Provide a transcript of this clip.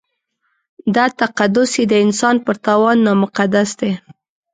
دا تقدس یې د انسان پر تاوان نامقدس دی.